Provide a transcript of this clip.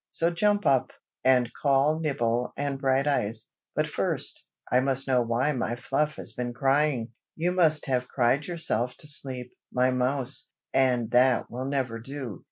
So jump up, and call Nibble and Brighteyes. But first, I must know why my Fluff has been crying. You must have cried yourself to sleep, my mouse, and that will never do.